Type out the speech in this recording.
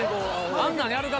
あんなんやるか？